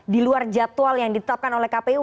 diluar jadwal yang ditetapkan oleh kpu